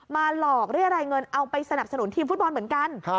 หลอกเรียกรายเงินเอาไปสนับสนุนทีมฟุตบอลเหมือนกัน